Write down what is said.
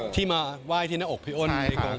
ที่มาไหว้ที่น้องอกพี่อ้อนไปกงไฟรวม